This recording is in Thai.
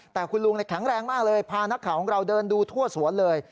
แต่คุณลุงแข็งแรงมากเลยพานักข่าวของเราเดินดูทั่วสวนเลย